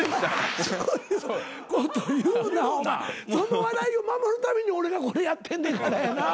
その笑いを守るために俺がこれやってんねんからやな。